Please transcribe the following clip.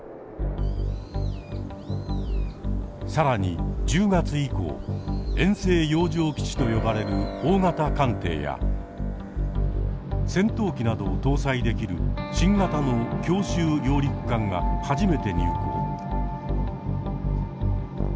更に１０月以降「遠征洋上基地」と呼ばれる大型艦艇や戦闘機などを搭載できる新型の強襲揚陸艦が初めて入港。